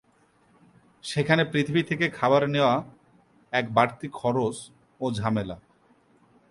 সেখানে পৃথিবী থেকে খাবার নেয়া এক বাড়তি খরচ ও ঝামেলা।